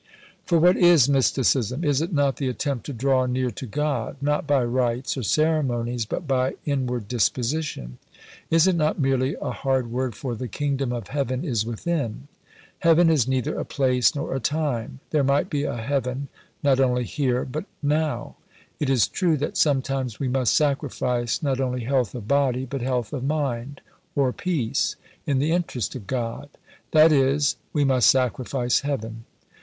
For what is Mysticism? Is it not the attempt to draw near to God, not by rites or ceremonies, but by inward disposition? Is it not merely a hard word for "The Kingdom of Heaven is within"? Heaven is neither a place nor a time. There might be a Heaven not only here but now. It is true that sometimes we must sacrifice not only health of body, but health of mind (or, peace) in the interest of God; that is, we must sacrifice Heaven.